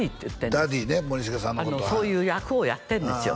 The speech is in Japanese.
ダディね森繁さんのことはそういう役をやってんですよ